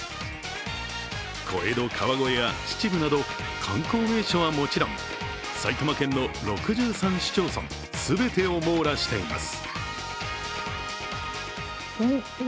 小江戸川越や、秩父など観光名所はもちろん埼玉県の６３市町村全てを網羅しています。